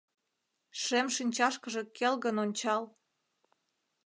Шем шинчашкыже келгын ончал.